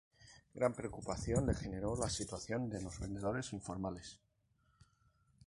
Gran preocupación le generó la situación de los vendedores informales.